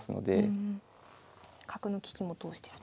角の利きも通してると。